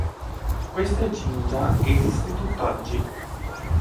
Questo "jinja" esiste tutt'oggi.